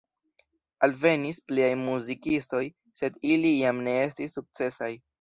Alvenis pliaj muzikistoj, sed ili jam ne estis sukcesaj.